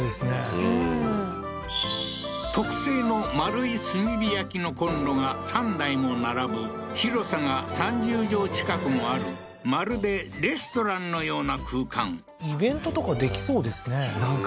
うん特製の丸い炭火焼きのコンロが３台も並ぶ広さが３０畳近くもあるまるでレストランのような空間イベントとかできそうですねなんか